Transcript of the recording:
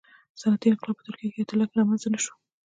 صنعتي انقلاب په ترکیه یا اېټالیا کې رامنځته نه شو